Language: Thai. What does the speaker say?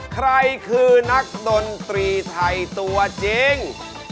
ใครคือนักดนตรีไทยตัวจริง